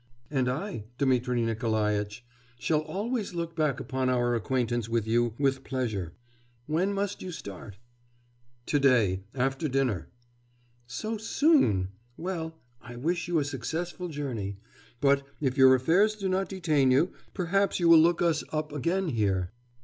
'And I, Dmitri Nikolaitch, shall always look back upon our acquaintance with you with pleasure. When must you start?' 'To day, after dinner.' 'So soon!... Well, I wish you a successful journey. But, if your affairs do not detain you, perhaps you will look us up again here.